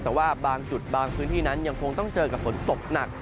แต่ว่าบางจุดบางพื้นที่นั้นยังคงต้องเจอกับฝนตกหนัก